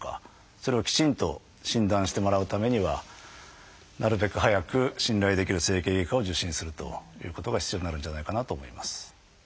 それをきちんと診断してもらうためにはなるべく早く信頼できる整形外科を受診するということが必要になるんじゃないかなと思います。